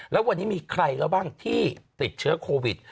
แล้ววันนี้มีใครแล้วบ้างที่ติดเชื้อโควิด